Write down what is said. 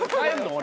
俺。